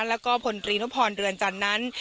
แล้วก็พลตรีนุพรเรือนจำนั้น